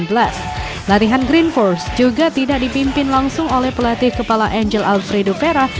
pemain yang tersebut juga tidak dipimpin oleh pelatih kepala alfredo vera